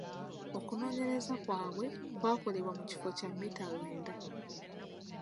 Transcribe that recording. Okunoonyereza kwabwe kwakolebwa mu kifo kya mmita lwenda.